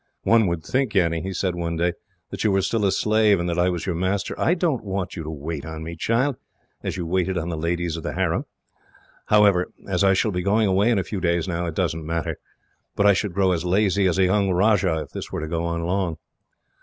"One would think, Annie," he said one day, "that you were still a slave, and that I was your master. I don't want you to wait on me, child, as you waited on the ladies of the harem. However, as I shall be going away in a few days now, it does not matter; but I should grow as lazy as a young rajah, if this were to go on long."